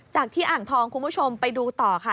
จากที่อ่างทองคุณผู้ชมไปดูต่อค่ะ